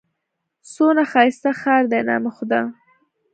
څونه ښايسته ښار دئ! نام خدا!